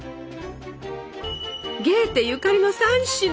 ゲーテゆかりの３品。